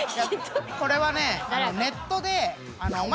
これはねネットで。